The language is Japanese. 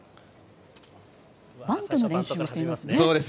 バントの練習をしていますね。